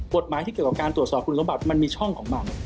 ที่เกี่ยวกับการตรวจสอบคุณสมบัติมันมีช่องของมัน